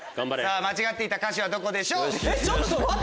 間違っていた歌詞はどこでしょう？